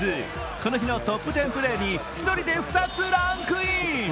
この日のトップ１０プレーに１人で２つランクイン。